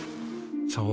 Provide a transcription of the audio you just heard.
そう。